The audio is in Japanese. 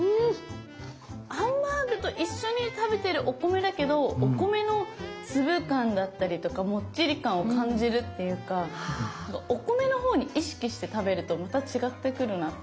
ハンバーグと一緒に食べてるお米だけどお米の粒感だったりとかもっちり感を感じるっていうかお米のほうに意識して食べるとまた違ってくるなって思いました。